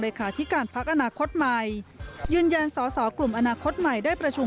ที่การพักอนาคตใหม่ยืนยันสอสอกลุ่มอนาคตใหม่ได้ประชุม